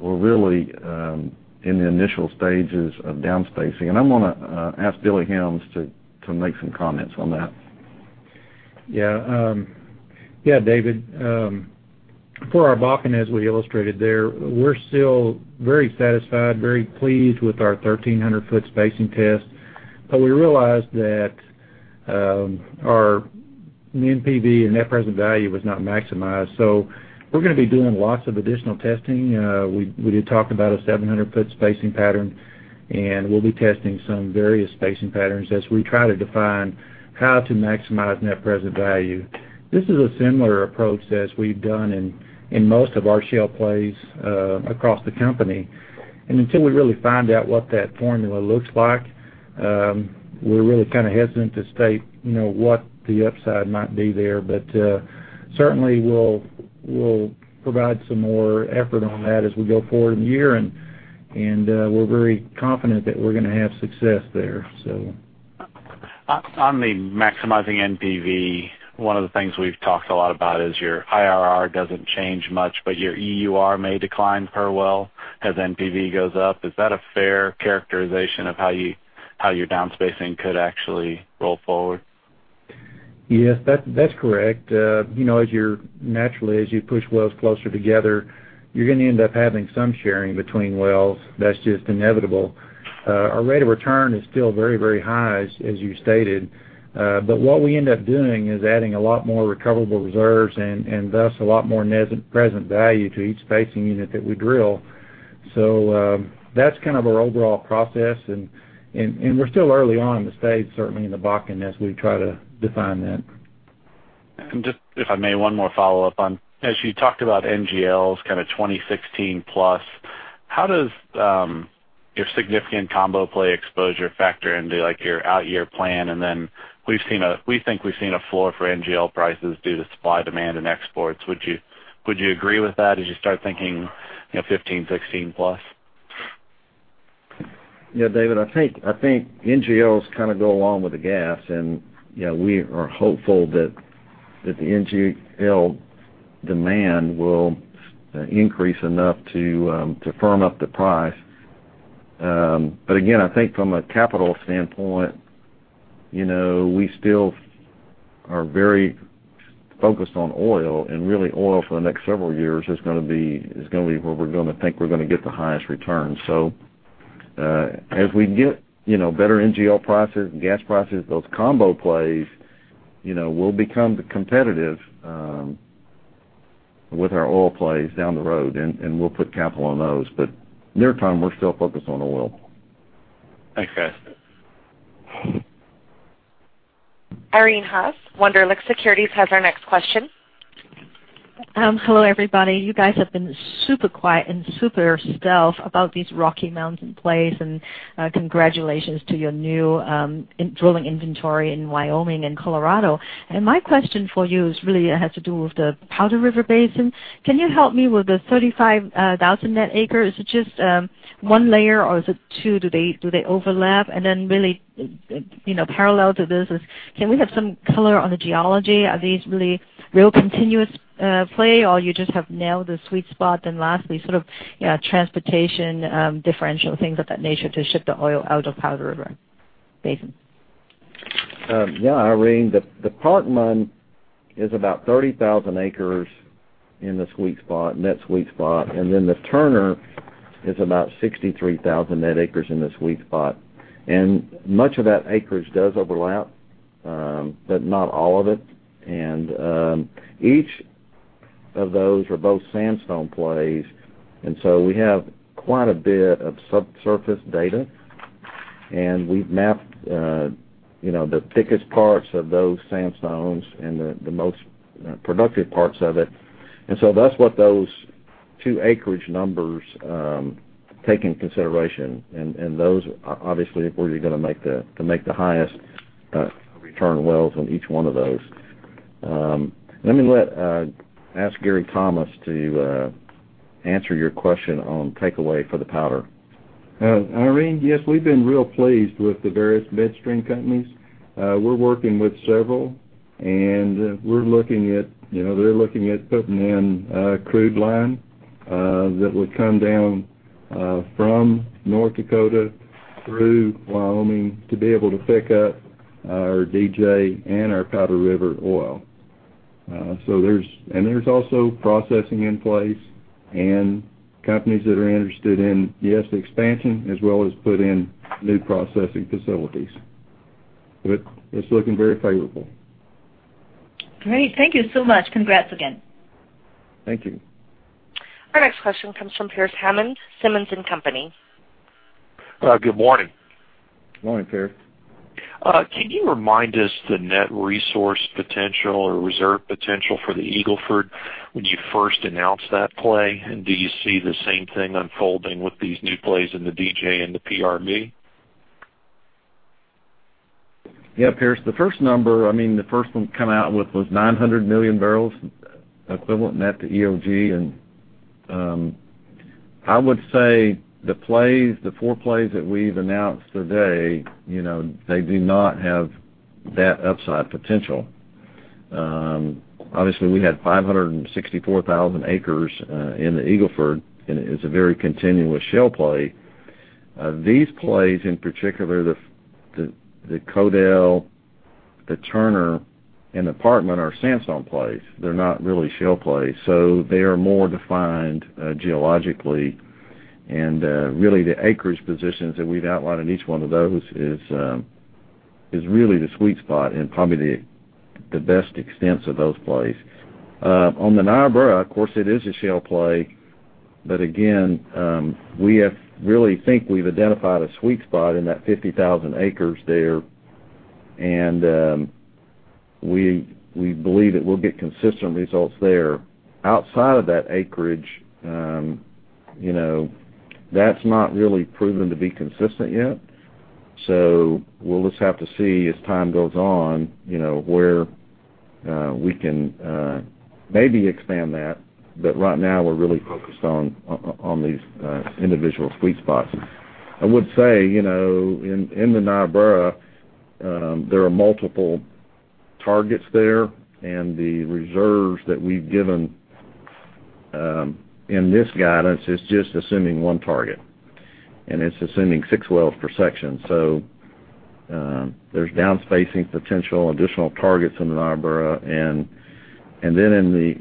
Speaker 3: we're really in the initial stages of downspacing. I'm going to ask Billy Helms to make some comments on that.
Speaker 4: Yeah. David, for our Bakken, as we illustrated there, we're still very satisfied, very pleased with our 1,300-foot spacing test. We realized that our NPV and net present value was not maximized. We're going to be doing lots of additional testing. We did talk about a 700-foot spacing pattern, we'll be testing some various spacing patterns as we try to define how to maximize net present value. This is a similar approach that we've done in most of our shale plays across the company. Until we really find out what that formula looks like, we're really hesitant to state what the upside might be there. Certainly, we'll provide some more effort on that as we go forward in the year, we're very confident that we're going to have success there.
Speaker 10: On the maximizing NPV, one of the things we've talked a lot about is your IRR doesn't change much, your EUR may decline per well as NPV goes up. Is that a fair characterization of how your downspacing could actually roll forward?
Speaker 4: Yes, that's correct. Naturally, as you push wells closer together, you're going to end up having some sharing between wells. That's just inevitable. Our rate of return is still very high as you stated. What we end up doing is adding a lot more recoverable reserves and thus a lot more net present value to each spacing unit that we drill. That's our overall process and we're still early on in the stage, certainly in the Bakken as we try to define that.
Speaker 10: Just, if I may, one more follow-up on, as you talked about NGLs kind of 2016+, how does your significant combo play exposure factor into your out-year plan? We think we've seen a floor for NGL prices due to supply, demand, and exports. Would you agree with that as you start thinking 15, 16+?
Speaker 3: David, I think NGLs go along with the gas, and we are hopeful that the NGL demand will increase enough to firm up the price. Again, I think from a capital standpoint, we still are very focused on oil, and really oil for the next several years is going to be where we're going to think we're going to get the highest return. As we get better NGL prices and gas prices, those combo plays will become competitive with our oil plays down the road, and we'll put capital on those. Near term, we're still focused on oil.
Speaker 10: Thanks, guys.
Speaker 1: Irene Haas, Wunderlich Securities, has our next question.
Speaker 11: Hello, everybody. You guys have been super quiet and super stealth about these Rocky Mountain plays, and congratulations to your new drilling inventory in Wyoming and Colorado. My question for you really has to do with the Powder River Basin. Can you help me with the 35,000 net acres? Is it just one layer or is it two? Do they overlap? Really parallel to this is, can we have some color on the geology? Are these really real continuous play or you just have nailed the sweet spot? Lastly, transportation differential things of that nature to ship the oil out of Powder River Basin.
Speaker 3: Irene, the Parkman is about 30,000 acres in the net sweet spot, then the Turner is about 63,000 net acres in the sweet spot. Much of that acreage does overlap, but not all of it, each of those are both sandstone plays. So we have quite a bit of subsurface data, we've mapped the thickest parts of those sandstones and the most productive parts of it. So that's what those two acreage numbers take into consideration, those obviously are where you're going to make the highest return wells on each one of those. Let me ask Gary Thomas to answer your question on takeaway for the Powder.
Speaker 7: Irene, yes, we've been real pleased with the various midstream companies. We're working with several, they're looking at putting in a crude line that would come down from North Dakota through Wyoming to be able to pick up our DJ and our Powder River oil. There's also processing in place and companies that are interested in, yes, expansion as well as put in new processing facilities. It's looking very favorable.
Speaker 11: Great. Thank you so much. Congrats again.
Speaker 3: Thank you.
Speaker 1: Our next question comes from Pearce Hammond, Simmons & Company.
Speaker 12: Good morning.
Speaker 3: Morning, Pearce.
Speaker 12: Can you remind us the net resource potential or reserve potential for the Eagle Ford when you first announced that play? Do you see the same thing unfolding with these new plays in the DJ and the PRB?
Speaker 3: Yeah, Pearce, the first number, the first one we come out with was 900 million barrels equivalent net to EOG. I would say the four plays that we've announced today, they do not have that upside potential. Obviously, we had 564,000 acres in the Eagle Ford, and it's a very continuous shale play. These plays, in particular, the Codell, the Turner, and the Parkman are sandstone plays. They're not really shale plays, so they are more defined geologically. Really, the acreage positions that we've outlined in each one of those is really the sweet spot and probably the best extents of those plays. On the Niobrara, of course, it is a shale play. Again, we really think we've identified a sweet spot in that 50,000 acres there. We believe that we'll get consistent results there. Outside of that acreage, that's not really proven to be consistent yet. We'll just have to see as time goes on where we can maybe expand that. Right now, we're really focused on these individual sweet spots. I would say, in the Niobrara, there are multiple targets there, and the reserves that we've given in this guidance is just assuming one target, and it's assuming six wells per section. There's downspacing potential, additional targets in the Niobrara. In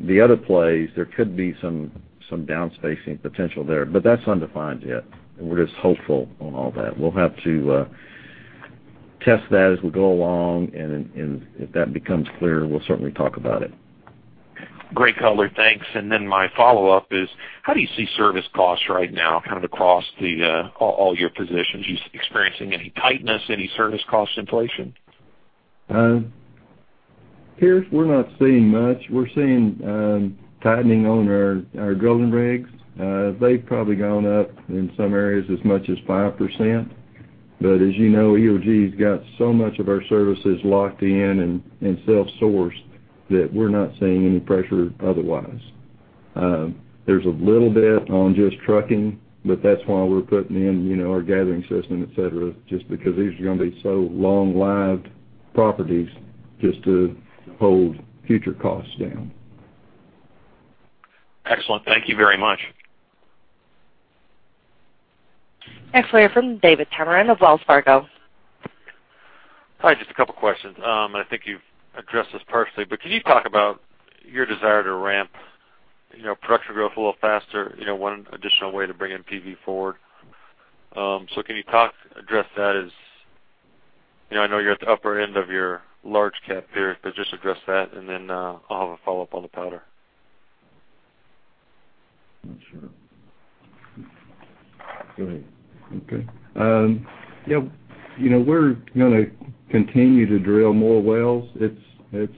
Speaker 3: the other plays, there could be some downspacing potential there, but that's undefined yet, and we're just hopeful on all that. We'll have to test that as we go along. If that becomes clear, we'll certainly talk about it.
Speaker 12: Great color. Thanks. My follow-up is, how do you see service costs right now, across all your positions? Are you experiencing any tightness, any service cost inflation?
Speaker 3: Pearce, we're not seeing much. We're seeing tightening on our drilling rigs. They've probably gone up in some areas as much as 5%. As you know, EOG's got so much of our services locked in and self-sourced that we're not seeing any pressure otherwise. There's a little bit on just trucking, that's why we're putting in our gathering system, et cetera, just because these are going to be so long-lived properties just to hold future costs down.
Speaker 12: Excellent. Thank you very much.
Speaker 1: Next, we have from David Tameron of Wells Fargo.
Speaker 13: Hi, just a couple of questions. I think you've addressed this partially, but can you talk about your desire to ramp production growth a little faster, one additional way to bring in PV forward? Can you address that as I know you're at the upper end of your large cap here, but just address that, and then I'll have a follow-up on the Powder.
Speaker 7: Not sure. Go ahead.
Speaker 3: Okay. We're going to continue to drill more wells. It's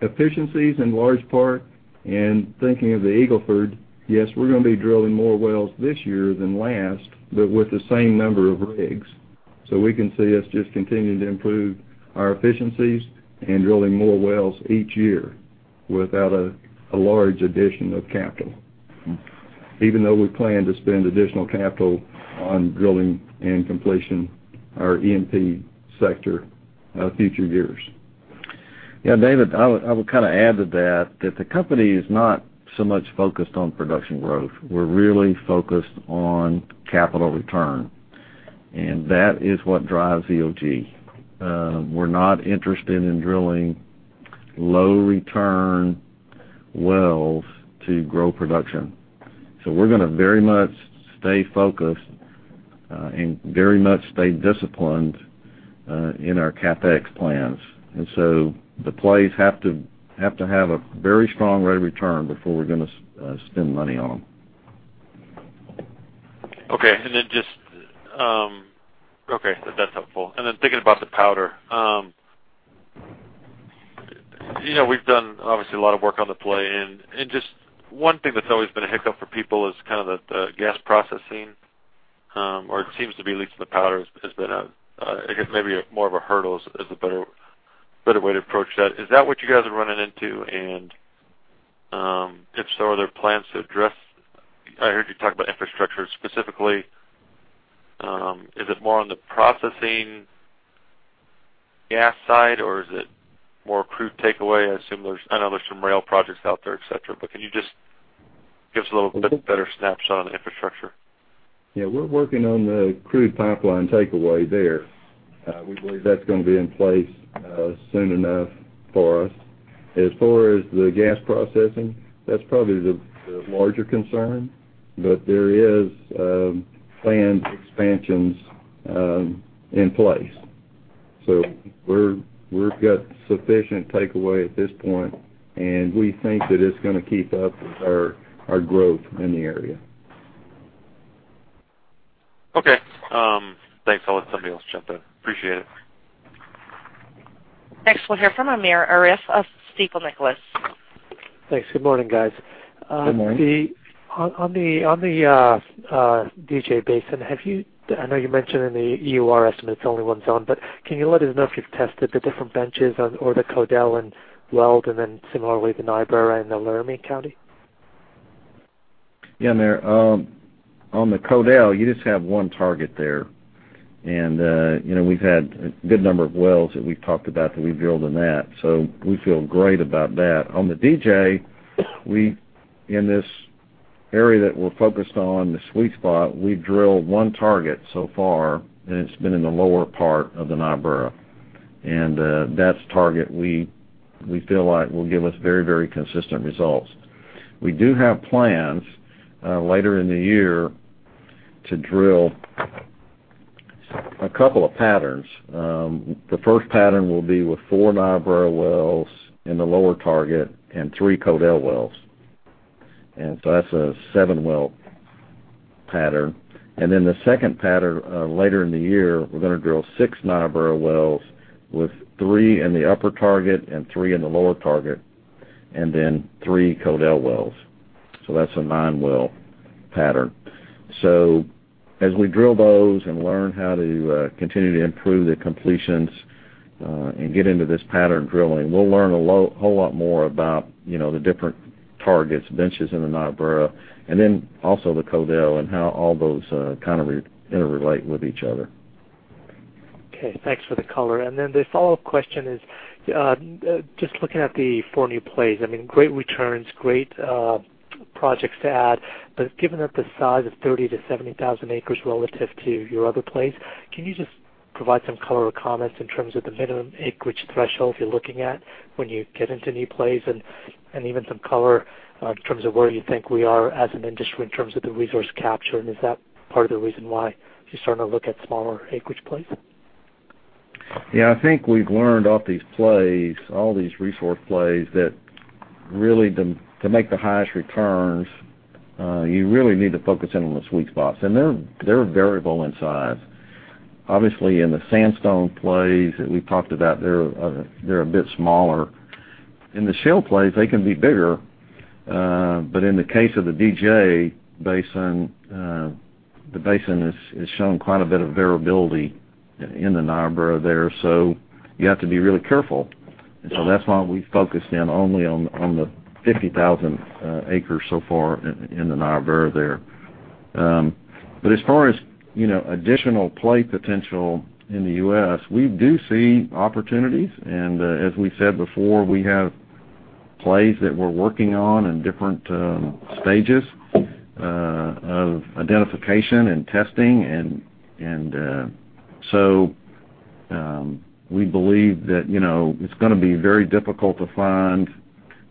Speaker 3: efficiencies in large part. Thinking of the Eagle Ford, yes, we're going to be drilling more wells this year than last, but with the same number of rigs. We can see us just continuing to improve our efficiencies and drilling more wells each year without a large addition of capital. Even though we plan to spend additional capital on drilling and completion our E&P sector future years. Yeah, David, I would add to that the company is not so much focused on production growth. We're really focused on capital return, and that is what drives EOG. We're not interested in drilling low return wells to grow production. We're going to very much stay focused and very much stay disciplined in our CapEx plans. The plays have to have a very strong rate of return before we're going to spend money on them.
Speaker 13: Okay. That's helpful. Then thinking about the Powder. We've done obviously a lot of work on the play, and just one thing that's always been a hiccup for people is the gas processing, or it seems to be at least in the Powder has been, I guess, maybe more of a hurdle is a better way to approach that. Is that what you guys are running into? If so, are there plans to address I heard you talk about infrastructure specifically. Is it more on the processing gas side, or is it more crude takeaway? I know there's some rail projects out there, et cetera, but can you just give us a little bit better snapshot on the infrastructure?
Speaker 7: Yeah, we're working on the crude pipeline takeaway there. We believe that's going to be in place soon enough for us. As far as the gas processing, that's probably the larger concern. There is planned expansions in place. We've got sufficient takeaway at this point, and we think that it's going to keep up with our growth in the area.
Speaker 13: Okay. Thanks. I'll let somebody else jump in. Appreciate it.
Speaker 1: Next, we'll hear from Amir Arif of Stifel Nicolaus.
Speaker 14: Thanks. Good morning, guys.
Speaker 3: Good morning.
Speaker 14: On the DJ Basin, I know you mentioned in the EUR estimate it's only one zone, but can you let us know if you've tested the different benches or the Codell and Weld, and then similarly, the Niobrara in Laramie County?
Speaker 3: Yeah, Amir. On the Codell, you just have one target there. We've had a good number of wells that we've talked about that we drilled in that. We feel great about that. On the DJ, in this area that we're focused on, the sweet spot, we've drilled one target so far, and it's been in the lower part of the Niobrara. That's the target we feel like will give us very consistent results. We do have plans later in the year to drill a couple of patterns. The first pattern will be with four Niobrara wells in the lower target and three Codell wells. That's a seven-well pattern. The second pattern later in the year, we're going to drill six Niobrara wells with three in the upper target and three in the lower target, and then three Codell wells. That's a nine-well pattern. As we drill those and learn how to continue to improve the completions, and get into this pattern drilling, we'll learn a whole lot more about the different targets, benches in the Niobrara, and then also the Codell, and how all those interrelate with each other.
Speaker 14: Okay. Thanks for the color. The follow-up question is, just looking at the four new plays, great returns, great projects to add, but given that the size of 30,000 to 70,000 acres relative to your other plays, can you just provide some color or comments in terms of the minimum acreage threshold you're looking at when you get into new plays and even some color in terms of where you think we are as an industry in terms of the resource capture, and is that part of the reason why you're starting to look at smaller acreage plays?
Speaker 3: Yeah, I think we've learned off these plays, all these resource plays, that really to make the highest returns, you really need to focus in on the sweet spots. They're variable in size. Obviously, in the sandstone plays that we've talked about, they're a bit smaller. In the shale plays, they can be bigger. In the case of the DJ Basin, the basin has shown quite a bit of variability in the Niobrara there. You have to be really careful. That's why we focused in only on the 50,000 acres so far in the Niobrara there. As far as additional play potential in the U.S., we do see opportunities, as we said before, we have plays that we're working on in different stages of identification and testing, we believe that it's going to be very difficult to find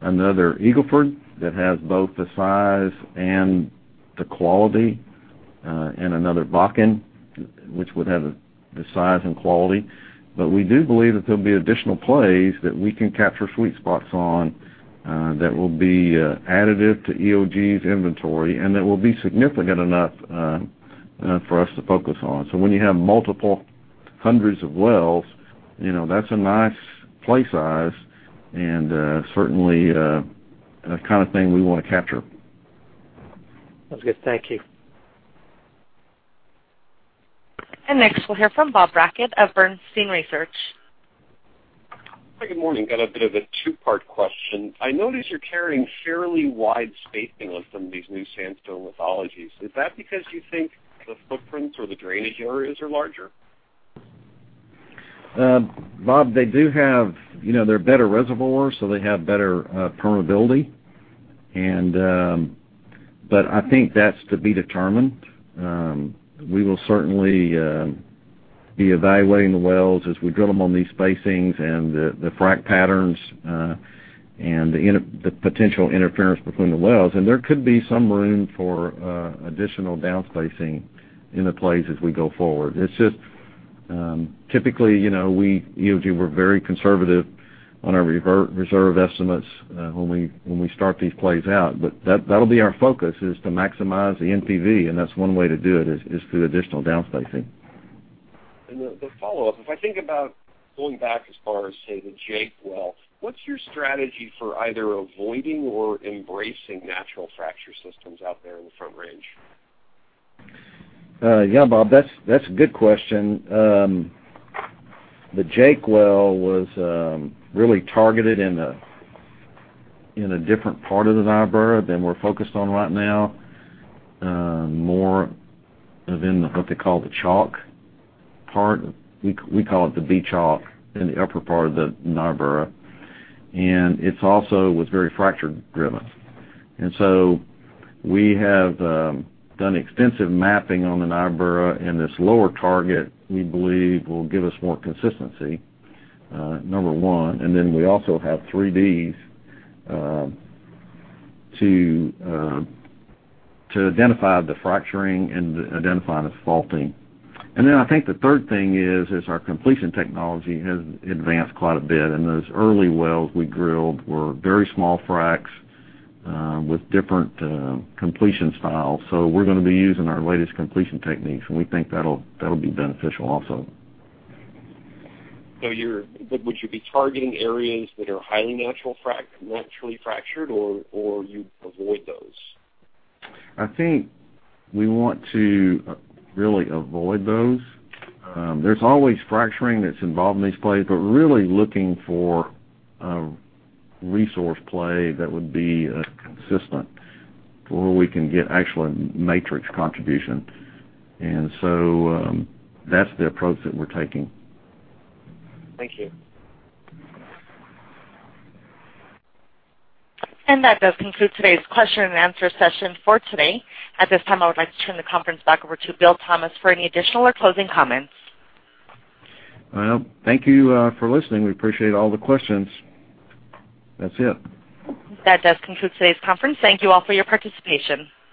Speaker 3: another Eagle Ford that has both the size and the quality, another Bakken, which would have the size and quality. We do believe that there'll be additional plays that we can capture sweet spots on that will be additive to EOG's inventory and that will be significant enough for us to focus on. When you have multiple hundreds of wells, that's a nice play size and certainly a kind of thing we want to capture.
Speaker 14: That's good. Thank you.
Speaker 1: Next we'll hear from Bob Brackett of Bernstein Research.
Speaker 15: Good morning. Got a bit of a two-part question. I notice you're carrying fairly wide spacing on some of these new sandstone lithologies. Is that because you think the footprints or the drainage areas are larger?
Speaker 3: Bob, they're better reservoirs, so they have better permeability. I think that's to be determined. We will certainly be evaluating the wells as we drill them on these spacings and the frack patterns, and the potential interference between the wells. There could be some room for additional downspacing in the plays as we go forward. It's just typically, EOG, we're very conservative on our reserve estimates when we start these plays out. That'll be our focus is to maximize the NPV, and that's one way to do it is through additional downspacing.
Speaker 15: The follow-up, if I think about going back as far as, say, the Jake well, what's your strategy for either avoiding or embracing natural fracture systems out there in the Front Range?
Speaker 3: Bob, that's a good question. The Jake well was really targeted in a different part of the Niobrara than we're focused on right now. More within what they call the chalk part. We call it the B Chalk in the upper part of the Niobrara. It's also was very fracture driven. We have done extensive mapping on the Niobrara, this lower target, we believe will give us more consistency, number one, we also have 3Ds to identify the fracturing and identify the faulting. I think the third thing is our completion technology has advanced quite a bit, and those early wells we drilled were very small fracs with different completion styles. We're going to be using our latest completion techniques, and we think that'll be beneficial also.
Speaker 15: Would you be targeting areas that are highly naturally fractured, or you avoid those?
Speaker 3: I think we want to really avoid those. There's always fracturing that's involved in these plays, but really looking for a resource play that would be consistent to where we can get actual matrix contribution. That's the approach that we're taking.
Speaker 15: Thank you.
Speaker 1: That does conclude today's question and answer session for today. At this time, I would like to turn the conference back over to Bill Thomas for any additional or closing comments.
Speaker 3: Well, thank you for listening. We appreciate all the questions. That's it.
Speaker 1: That does conclude today's conference. Thank you all for your participation.